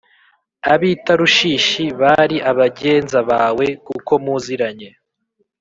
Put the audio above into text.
Ab i Tarushishi bari abagenza bawe kuko muziranye